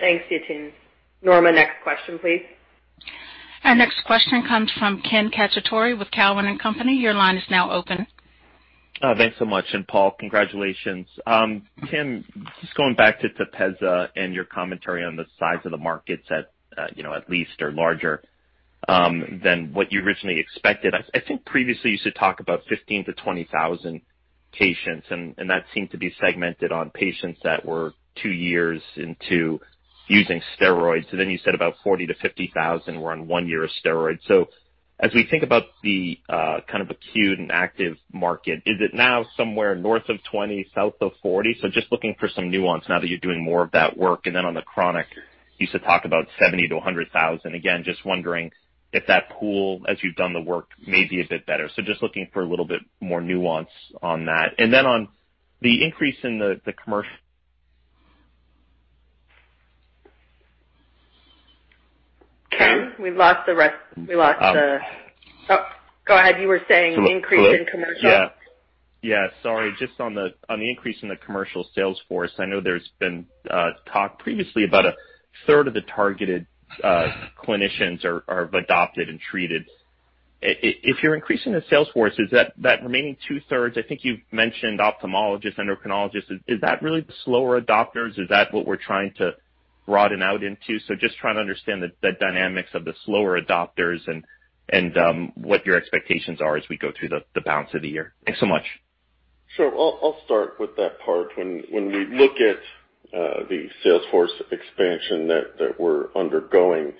Thanks Yatin. Norma, next question, please. Our next question comes from Ken Cacciatore with Cowen and Company. Your line is now open. Thanks so much. Paul, congratulations. Tim, just going back to TEPEZZA and your commentary on the size of the markets at, you know, at least are larger than what you originally expected. I think previously you used to talk about 15,000-20,000 patients, and that seemed to be segmented on patients that were 2 years into using steroids. You said about 40,000-50,000 were on 1 year of steroids. As we think about the kind of acute and active market, is it now somewhere north of 20, south of 40? Just looking for some nuance now that you're doing more of that work. On the chronic, you used to talk about 70,000-100,000. Again, just wondering if that pool, as you've done the work, may be a bit better. Just looking for a little bit more nuance on that. Then on the increase in the commercial- Ken, we've lost the rest. Um. Oh, go ahead. You were saying increase in commercial. Yeah. Yeah, sorry. Just on the increase in the commercial sales force, I know there's been talk previously about a third of the targeted clinicians are adopted and treated. If you're increasing the sales force, is that remaining two-thirds, I think you've mentioned ophthalmologists, endocrinologists, is that really the slower adopters? Is that what we're trying to broaden out into. So just trying to understand the dynamics of the slower adopters and what your expectations are as we go through the balance of the year. Thanks so much. Sure. I'll start with that part. When we look at the sales force expansion that we're undergoing,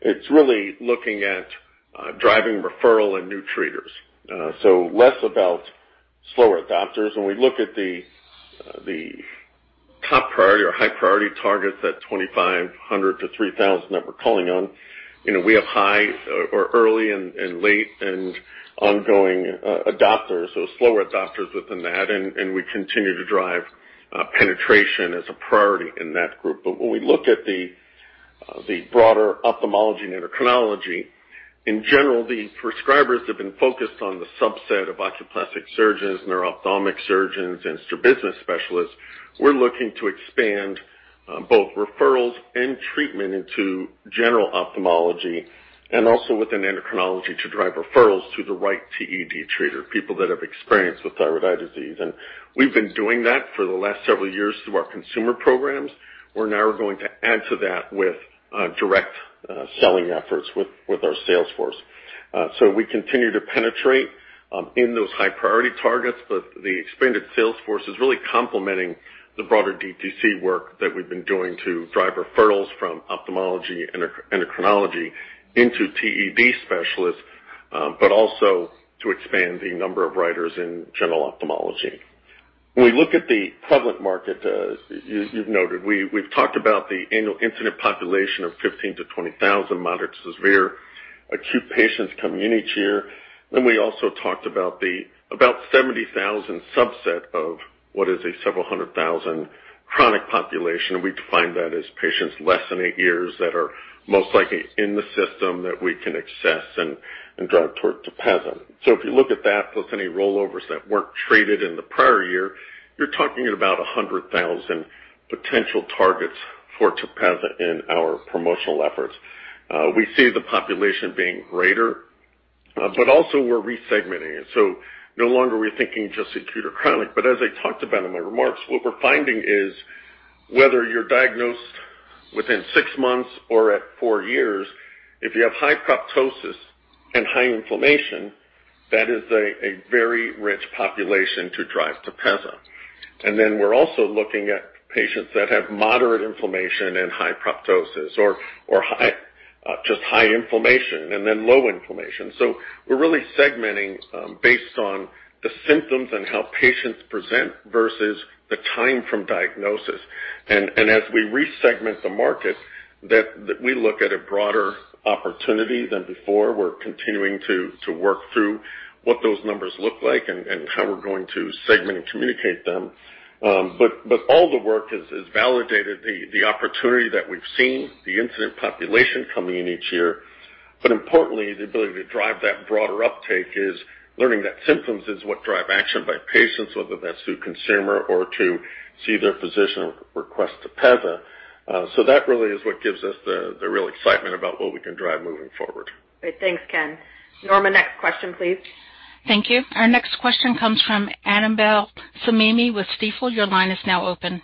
it's really looking at driving referral and new treaters. Less about slower adopters. When we look at the top priority or high priority targets, that 2,500-3,000 that we're calling on, we have high or early and late and ongoing adopters, so slower adopters within that, and we continue to drive penetration as a priority in that group. When we look at the broader ophthalmology and endocrinology, in general, the prescribers have been focused on the subset of oculoplastic surgeons, neuro-ophthalmic surgeons and strabismus specialists. We're looking to expand both referrals and treatment into general ophthalmology and also within endocrinology to drive referrals to the right TED treater, people that have experience with thyroid eye disease. We've been doing that for the last several years through our consumer programs. We're now going to add to that with direct selling efforts with our sales force. We continue to penetrate in those high priority targets, but the expanded sales force is really complementing the broader DTC work that we've been doing to drive referrals from ophthalmology, endocrinology into TED specialists, but also to expand the number of writers in general ophthalmology. When we look at the public market, you've noted, we've talked about the annual incident population of 15,000-20,000 moderate to severe acute patients coming in each year. We also talked about the about 70,000 subset of what is a several hundred thousand chronic population. We define that as patients less than eight years that are most likely in the system that we can access and drive towards TEPEZZA. If you look at that, plus any rollovers that weren't treated in the prior year, you're talking about a 100,000 potential targets for TEPEZZA in our promotional efforts. We see the population being greater, but also we're re-segmenting it. No longer are we thinking just acute or chronic. As I talked about in my remarks, what we're finding is whether you're diagnosed within six months or at four years, if you have high proptosis and high inflammation, that is a very rich population to drive TEPEZZA. We're also looking at patients that have moderate inflammation and high proptosis or high just high inflammation and then low inflammation. We're really segmenting based on the symptoms and how patients present versus the time from diagnosis. As we resegment the market that we look at a broader opportunity than before, we're continuing to work through what those numbers look like and how we're going to segment and communicate them. All the work has validated the opportunity that we've seen the incident population coming in each year. Importantly, the ability to drive that broader uptake is learning that symptoms is what drive action by patients, whether that's through consumer or to see their physician request TEPEZZA. That really is what gives us the real excitement about what we can drive moving forward. Great. Thanks Ken. Norma, next question please. Thank you. Our next question comes from Annabel Samimy with Stifel. Your line is now open.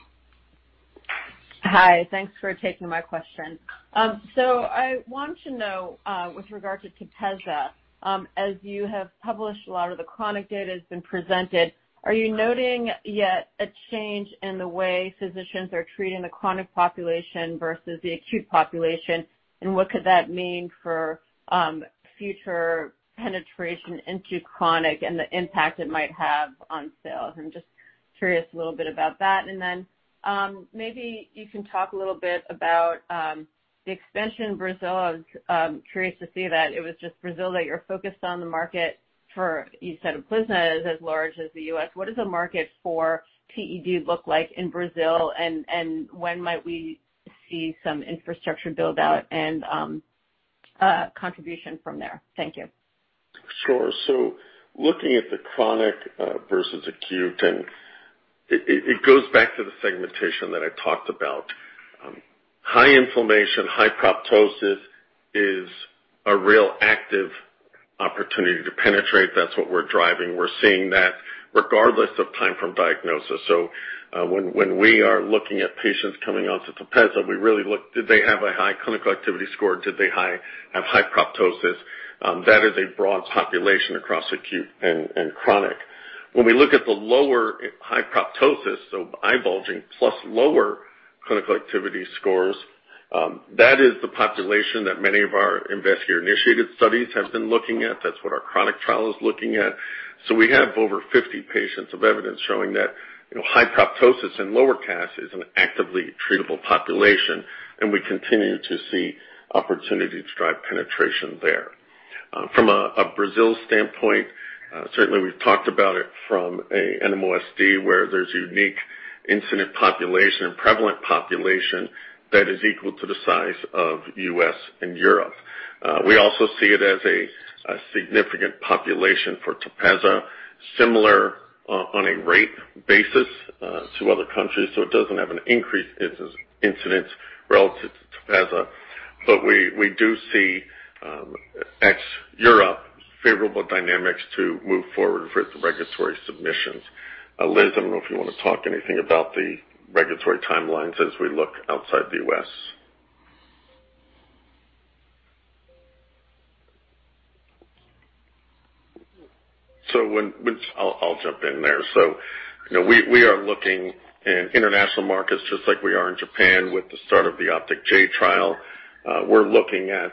Hi. Thanks for taking my question. I want to know, with regard to TEPEZZA, as you have published, a lot of the chronic data has been presented, are you noting yet a change in the way physicians are treating the chronic population versus the acute population? What could that mean for future penetration into chronic and the impact it might have on sales? I'm just curious a little bit about that. Maybe you can talk a little bit about the expansion in Brazil. I was curious to see that it was just Brazil that you're focused on the market for. You said incidence is as large as the U.S. What does the market for TED look like in Brazil? When might we see some infrastructure build out and contribution from there? Thank you. Sure. Looking at the chronic versus acute, and it goes back to the segmentation that I talked about. High inflammation, high proptosis is a real active opportunity to penetrate. That's what we're driving. We're seeing that regardless of time from diagnosis. When we are looking at patients coming on to TEPEZZA, we really look, did they have a high clinical activity score? Did they have high proptosis? That is a broad population across acute and chronic. When we look at the lower high proptosis, so eye bulging plus lower clinical activity scores, that is the population that many of our investigator-initiated studies have been looking at. That's what our chronic trial is looking at. We have over 50 patients of evidence showing that, you know, high proptosis and lower CAS is an actively treatable population, and we continue to see opportunity to drive penetration there. From a Brazil standpoint, certainly we've talked about it from a NMOSD, where there's unique incidence population and prevalent population that is equal to the size of U.S. and Europe. We also see it as a significant population for TEPEZZA, similar, on a rate basis, to other countries. It doesn't have an increased incidence relative to TEPEZZA. But we do see ex-Europe favorable dynamics to move forward with regulatory submissions. Liz, I don't know if you wanna talk anything about the regulatory timelines as we look outside the U.S. Which I'll jump in there. You know, we are looking in international markets just like we are in Japan with the start of the OPTIC-J trial. We're looking at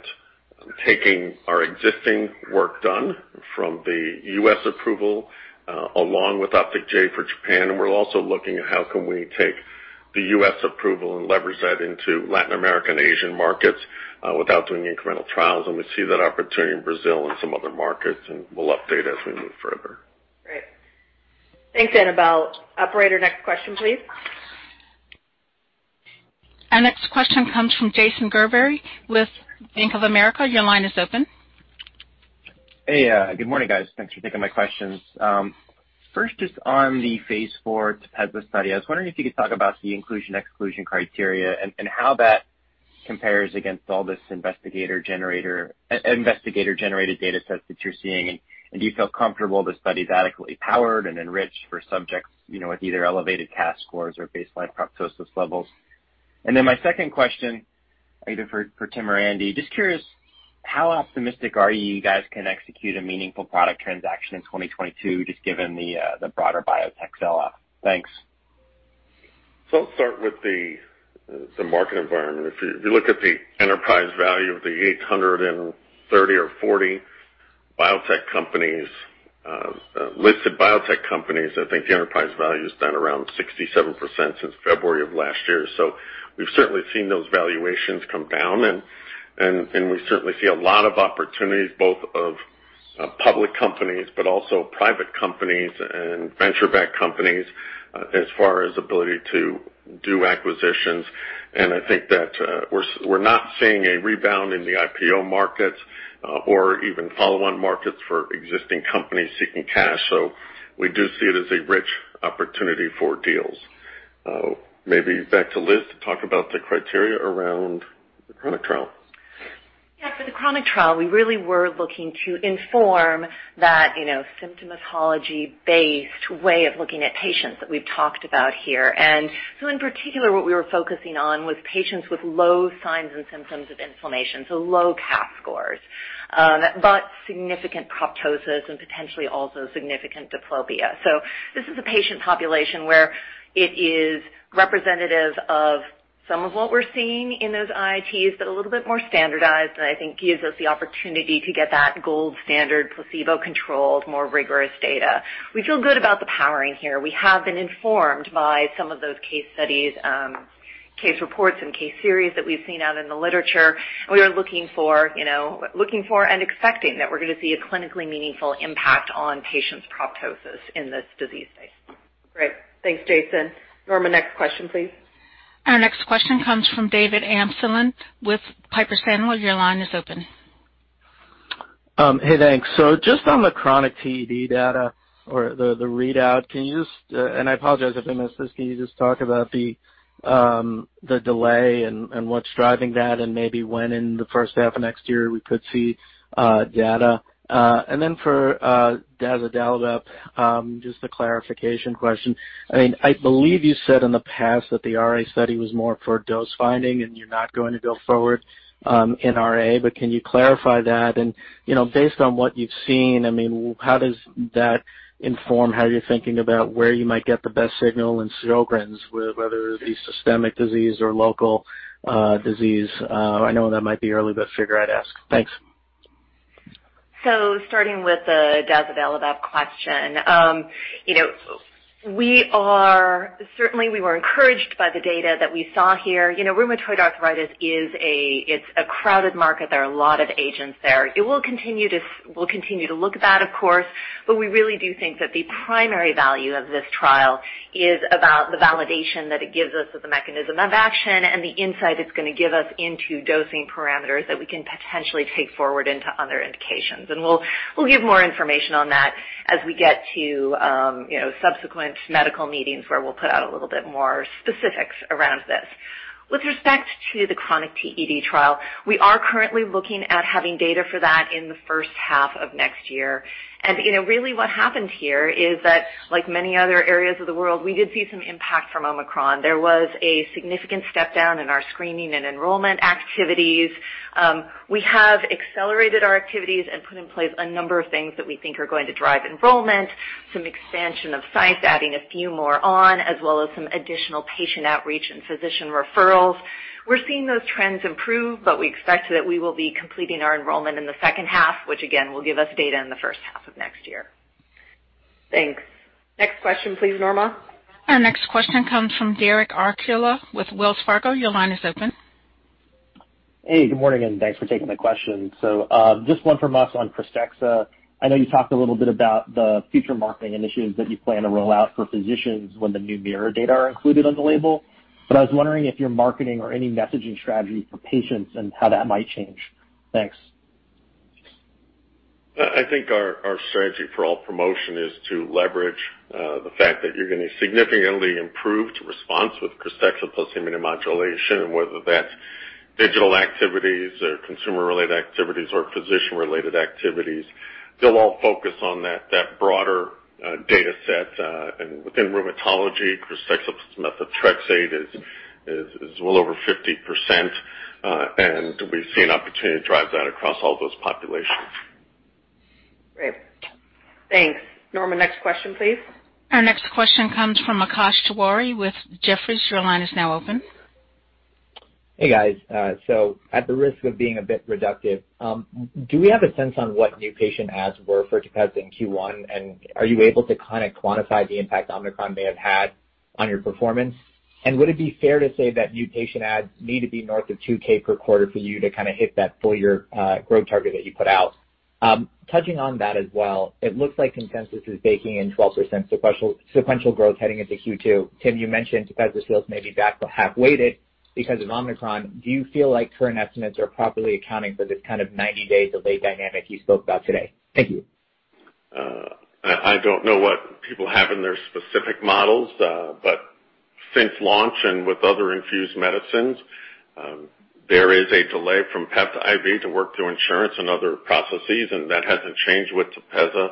taking our existing work done from the U.S. approval, along with OPTIC-J for Japan. We're also looking at how can we take the U.S. approval and leverage that into Latin American, Asian markets, without doing incremental trials. We see that opportunity in Brazil and some other markets, and we'll update as we move further. Great. Thanks Annabel. Operator, next question please. Our next question comes from Jason Gerberry with Bank of America. Your line is open. Hey, good morning guys. Thanks for taking my questions. First, just on the phase IV TEPEZZA study, I was wondering if you could talk about the inclusion/exclusion criteria and how that compares against all this investigator-generated data sets that you're seeing. Do you feel comfortable the study is adequately powered and enriched for subjects, you know, with either elevated CAS scores or baseline proptosis levels? Then my second question, either for Tim or Andy. Just curious, how optimistic are you guys can execute a meaningful product transaction in 2022, just given the broader biotech sell-off? Thanks. I'll start with the market environment. If you look at the enterprise value of the 830 or 840 biotech companies, listed biotech companies, I think the enterprise value is down around 67% since February of last year. We've certainly seen those valuations come down and we certainly see a lot of opportunities both of public companies but also private companies and venture-backed companies as far as ability to do acquisitions. I think that we're not seeing a rebound in the IPO markets or even follow-on markets for existing companies seeking cash. We do see it as a rich opportunity for deals. Maybe back to Liz to talk about the criteria around the chronic trial. Yeah. For the chronic trial, we really were looking to inform that, you know, symptomatology-based way of looking at patients that we've talked about here. In particular, what we were focusing on was patients with low signs and symptoms of inflammation, so low CAS scores, but significant proptosis and potentially also significant diplopia. This is a patient population where it is representative of some of what we're seeing in those ITs, but a little bit more standardized, and I think gives us the opportunity to get that gold standard placebo-controlled more rigorous data. We feel good about the powering here. We have been informed by some of those case studies, case reports and case series that we've seen out in the literature. We are looking for and expecting that we're gonna see a clinically meaningful impact on patients' proptosis in this disease space. Great. Thanks Jason. Norma, next question please. Our next question comes from David Amsellem with Piper Sandler. Your line is open. Hey, thanks. Just on the chronic TED data or the readout, and I apologize if I missed this. Can you talk about the delay and what's driving that and maybe when in the first half of next year we could see data? And then for daxdilimab, just a clarification question. I mean, I believe you said in the past that the RA study was more for dose finding and you're not going to go forward in RA, but can you clarify that? You know, based on what you've seen, I mean, how does that inform how you're thinking about where you might get the best signal in Sjögren's, whether it be systemic disease or local disease? I know that might be early, but figure I'd ask. Thanks. Starting with the dazodalibep question. Certainly, we were encouraged by the data that we saw here. Rheumatoid arthritis is a crowded market. There are a lot of agents there. We'll continue to look at that of course, but we really do think that the primary value of this trial is about the validation that it gives us of the mechanism of action and the insight it's gonna give us into dosing parameters that we can potentially take forward into other indications. We'll give more information on that as we get to subsequent medical meetings where we'll put out a little bit more specifics around this. With respect to the chronic TED trial, we are currently looking at having data for that in the first half of next year. You know, really what happened here is that like many other areas of the world, we did see some impact from Omicron. There was a significant step down in our screening and enrollment activities. We have accelerated our activities and put in place a number of things that we think are going to drive enrollment, some expansion of sites, adding a few more on, as well as some additional patient outreach and physician referrals. We're seeing those trends improve, but we expect that we will be completing our enrollment in the second half, which again will give us data in the first half of next year. Thanks. Next question please Norma. Our next question comes from Derek Archila with Wells Fargo. Your line is open. Hey, good morning, and thanks for taking my question. Just one from us on KRYSTEXXA. I know you talked a little bit about the future marketing initiatives that you plan to roll out for physicians when the new MIRROR data are included on the label, but I was wondering if your marketing or any messaging strategy for patients and how that might change? Thanks. I think our strategy for all promotion is to leverage the fact that you're getting a significantly improved response with KRYSTEXXA plus immunomodulation, and whether that's digital activities or consumer-related activities or physician-related activities, they'll all focus on that broader data set, and within rheumatology, KRYSTEXXA plus methotrexate is well over 50%, and we see an opportunity to drive that across all those populations. Great. Thanks. Norma, next question please. Our next question comes from Akash Tewari with Jefferies. Your line is now open. Hey guys. At the risk of being a bit reductive, do we have a sense on what new patient adds were for TEPEZZA in Q1? Are you able to kinda quantify the impact Omicron may have had on your performance? Would it be fair to say that new patient adds need to be north of 2K per quarter for you to kinda hit that full year growth target that you put out? Touching on that as well, it looks like consensus is baking in 12% sequential growth heading into Q2. Tim, you mentioned TEPEZZA sales may be back-half weighted because of Omicron. Do you feel like current estimates are properly accounting for this kind of 90-day delay dynamic you spoke about today? Thank you. I don't know what people have in their specific models, but since launch and with other infused medicines, there is a delay from PEF to IV to work through insurance and other processes, and that hasn't changed with TEPEZZA.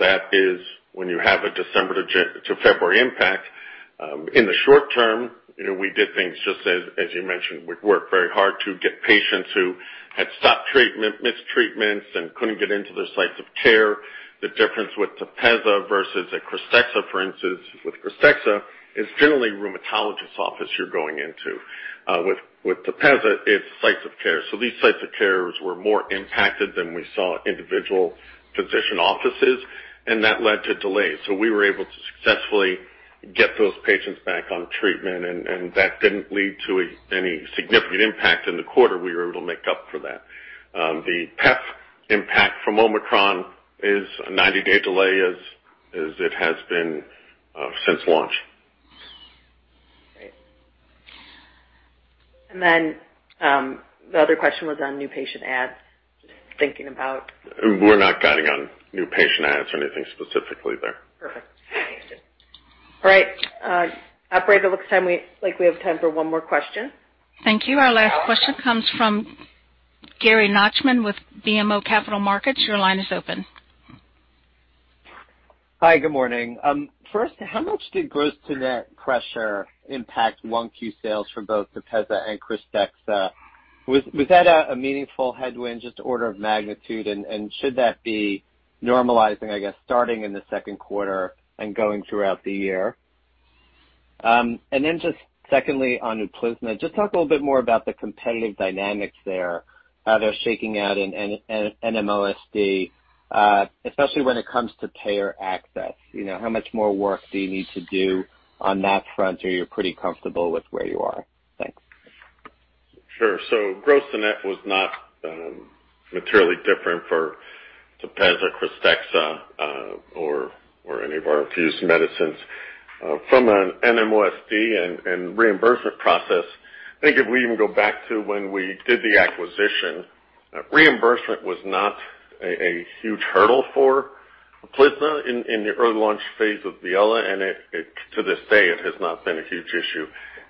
That is when you have a December to February impact, in the short term, you know, we did things just as you mentioned, we worked very hard to get patients who had stopped treatment, missed treatments, and couldn't get into their sites of care. The difference with TEPEZZA versus a KRYSTEXXA, for instance. With KRYSTEXXA, it's generally rheumatologist's office you're going into. With TEPEZZA, it's sites of care. These sites of care were more impacted than we saw individual physician offices, and that led to delays. We were able to successfully get those patients back on treatment and that didn't lead to any significant impact in the quarter. We were able to make up for that. The PEF impact from Omicron is a 90-day delay, as it has been, since launch. Great. The other question was on new patient adds, thinking about. We're not guiding on new patient adds or anything specifically there. Perfect. Thank you. All right operator, it looks like we have time for one more question. Thank you. Our last question comes from Gary Nachman with BMO Capital Markets. Your line is open. Hi, good morning. First, how much did gross to net pressure impact Q1 sales for both TEPEZZA and KRYSTEXXA? Was that a meaningful headwind, just order of magnitude, and should that be normalizing, I guess, starting in the second quarter and going throughout the year? Just secondly, on UPLIZNA. Just talk a little bit more about the competitive dynamics there, how they're shaking out in NMOSD, especially when it comes to payer access. You know, how much more work do you need to do on that front or you're pretty comfortable with where you are? Thanks. Sure. Gross to net was not materially different for TEPEZZA or KRYSTEXXA, or any of our infused medicines. From an NMOSD and reimbursement process, I think if we even go back to when we did the acquisition, reimbursement was not a huge hurdle for UPLIZNA in the early launch phase of Viela, and it to this day has not been a huge issue.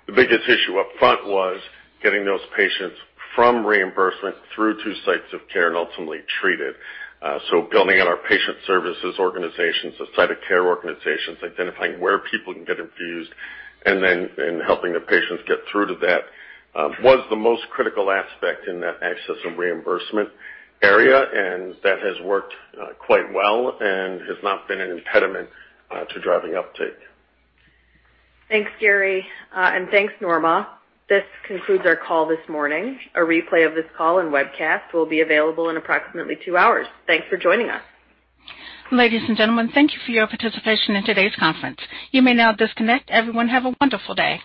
The biggest issue up front was getting those patients from reimbursement through to sites of care and ultimately treated. Building out our patient services organizations, the site of care organizations, identifying where people can get infused and then helping the patients get through to that was the most critical aspect in that access and reimbursement area. That has worked quite well and has not been an impediment to driving uptake. Thanks Gary, and thanks Norma. This concludes our call this morning. A replay of this call and webcast will be available in approximately two hours. Thanks for joining us. Ladies and gentlemen, thank you for your participation in today's conference. You may now disconnect. Everyone, have a wonderful day.